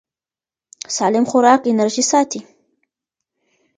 سالم خوراک انرژي ساتي.